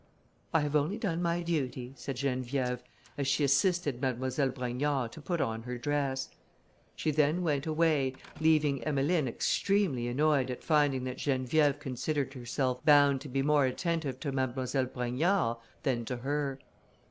"I have only done my duty," said Geneviève, as she assisted Mademoiselle Brogniard to put on her dress. She then went away, leaving Emmeline extremely annoyed at finding that Geneviève considered herself bound to be more attentive to Mademoiselle Brogniard than to her.